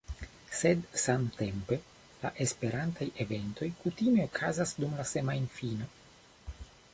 Sed samtempe la Esperantaj eventoj kutime okazas dum la semajnfino